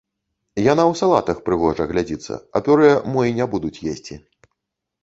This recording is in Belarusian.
Яна ў салатах прыгожа глядзіцца, а пюрэ мо і не будуць есці.